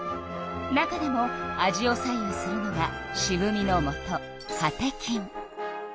中でも味を左右するのがしぶみのもとカテキン。